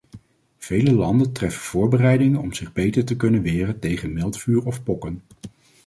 Vele landen treffen voorbereidingen om zich beter te kunnen weren tegen miltvuur of pokken.